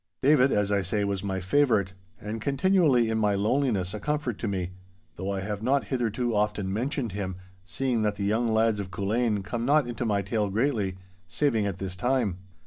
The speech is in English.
David, as I say, was my favourite, and continually in my loneliness a comfort to me, though I have not hitherto often mentioned him, seeing that the young lads of Culzean come not into my tale greatly, saving at this time.